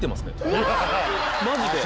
マジで。